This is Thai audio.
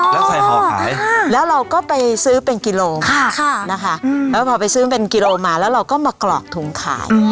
แล้วใส่ห่อขายแล้วเราก็ไปซื้อเป็นกิโลแล้วพอไปซื้อเป็นกิโลมาแล้วเราก็มากรอกถุงขาย